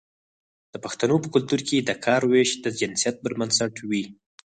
د پښتنو په کلتور کې د کار ویش د جنسیت پر بنسټ وي.